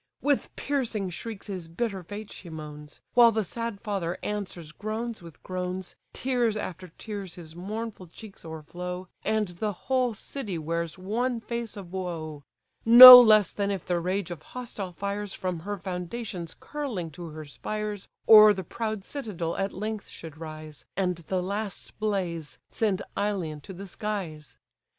With piercing shrieks his bitter fate she moans, While the sad father answers groans with groans, Tears after tears his mournful cheeks o'erflow, And the whole city wears one face of woe: No less than if the rage of hostile fires, From her foundations curling to her spires, O'er the proud citadel at length should rise, And the last blaze send Ilion to the skies.